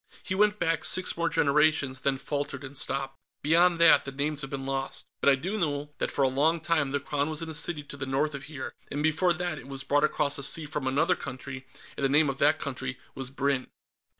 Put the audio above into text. He went back six more generations, then faltered and stopped. "Beyond that, the names have been lost. But I do know that for a long time the Crown was in a city to the north of here, and before that it was brought across the sea from another country, and the name of that country was Brinn."